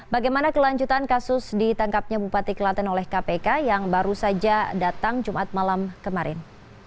bagaimana kelanjutan kasus ditangkapnya bupati kelaten oleh kpk yang baru saja datang jumat malam kemarin